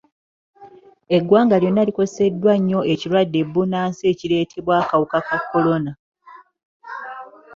Eggwanga lyonna likoseddwa nnyo ekirwadde bbunansi ekireetebwa akawuka ka kolona.